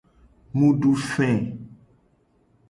Mu du fe.